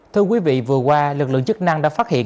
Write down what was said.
thưa quý vị vừa qua lực lượng chức năng đã phát hiện